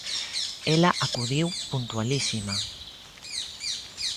Ela acudiu puntualísima.